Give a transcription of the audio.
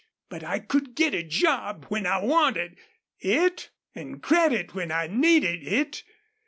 But I could get a job when I wanted it an' credit when I needed it.